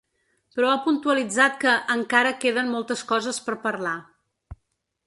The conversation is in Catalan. Però ha puntualitzat que ‘encara queden moltes coses per parlar’.